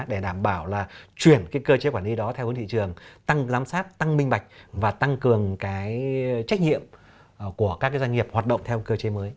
để đảm bảo là chuyển cái cơ chế quản lý đó theo hướng thị trường tăng lắm sát tăng minh bạch và tăng cường cái trách nhiệm của các doanh nghiệp hoạt động theo cơ chế mới